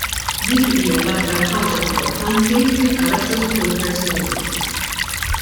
Dik hija l-aktar ħaġa importanti fil-karattru ta' kull persuna.